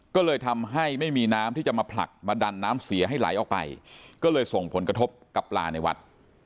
ก็เลยทำให้ไม่มีน้ำที่จะมาผลักมาดันน้ำเสียให้ไหลออกไปก็เลยส่งผลกระทบกับปลาในวัด